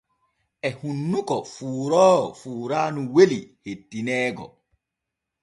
E hunnuko fuuroowo fuuraanu weli hettineego.